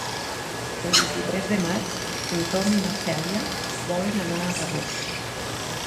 El vint-i-tres de maig en Tom i na Cèlia volen anar a Rabós.